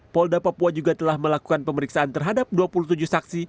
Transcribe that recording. polda papua juga telah melakukan pemeriksaan terhadap dua puluh tujuh saksi